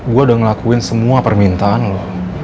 gue udah ngelakuin semua permintaan loh